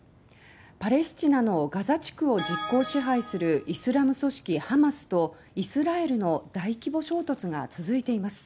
パレスチナのガザ地区を実効支配するイスラム組織ハマスとイスラエルの大規模衝突が続いています。